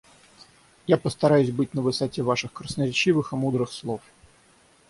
Я постараюсь быть на высоте ваших красноречивых и мудрых слов.